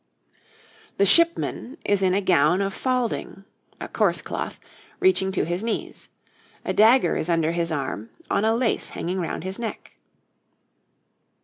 THE SHIPMAN is in a gown of falding (a coarse cloth), reaching to his knees. A dagger is under his arm, on a lace hanging round his neck.